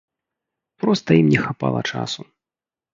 Проста ім не хапала часу.